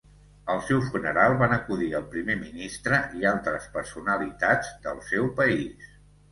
Al seu funeral van acudir el primer ministre i altres personalitats del seu país.